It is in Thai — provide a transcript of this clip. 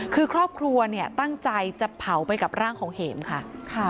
คือครอบครัวเนี่ยตั้งใจจะเผาไปกับร่างของเห็มค่ะ